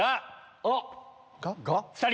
あっ！